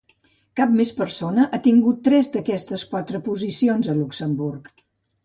Cap més persona ha tingut tres d'aquestes quatre posicions a Luxemburg.